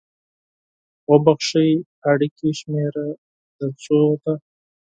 اوبښئ! اړیکې شمیره د څو ده؟